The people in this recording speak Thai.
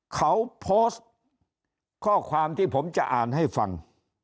เขาโพสต์ข้อความที่ผมจะอ่านให้ฟัง